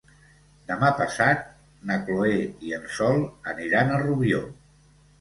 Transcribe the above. Demà passat na Chloé i en Sol aniran a Rubió.